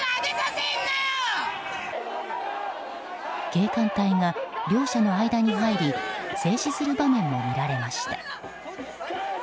警官隊が両者の間に入り静止する場面も見られました。